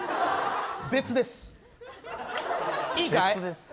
別です。